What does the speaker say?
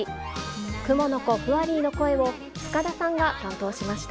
雲の子、フワリーの声を、深田さんが担当しました。